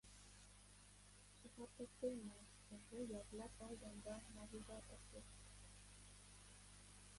Shahar katta emas, uje yodlab oldim va navigatorsiz